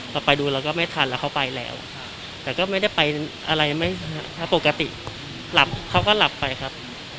เราไปดูเราก็ไม่ทันแล้วเขาไปแล้วแต่ก็ไม่ได้ไปอะไรไม่ปกติหลับเขาก็หลับไปครับ